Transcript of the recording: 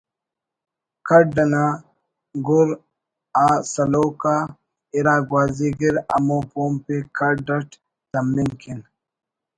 کھڈ انا گؤر آسلوک آ اِرا گوازی گر ہمو پومپ ءِ کھڈ اٹ تمنگ کن